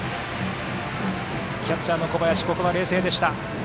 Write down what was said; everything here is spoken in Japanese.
キャッチャーの小林ここは冷静でした。